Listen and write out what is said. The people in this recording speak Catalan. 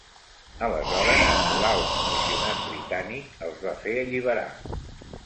Aleshores, l'Alt Comissionat Britànic els va fer alliberar.